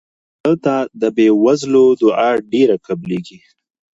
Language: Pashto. مړه ته د بې وزلو دعا ډېره قبلیږي